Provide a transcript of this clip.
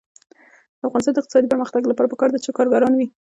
د افغانستان د اقتصادي پرمختګ لپاره پکار ده چې کارګران وي.